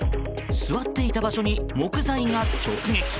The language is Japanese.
座っていた場所に木材が直撃。